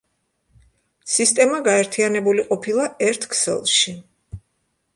სისტემა გაერთიანებული ყოფილა ერთ ქსელში.